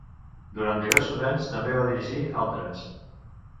Durant diversos anys també va dirigir altres.